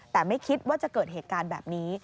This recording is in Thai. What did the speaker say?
แต่ไม่คิดว่าจะเกิดเหตุการณ์แบบนี้